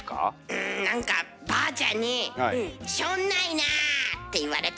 うんなんかばあちゃんに「しょんないな」って言われた。